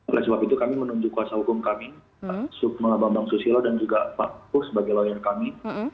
oleh sebab itu kami menunjukkan kekuasaan hukum kami sukma bambang susilo dan juga pak pur sebagai lawan kami